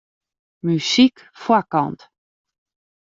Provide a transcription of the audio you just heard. Muzyk foarkant.